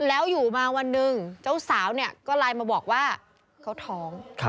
แล้วอยู่มาวันหนึ่งเจ้าสาวเนี่ยก็ไลน์มาบอกว่าเขาท้อง